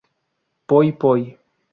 Poy Poy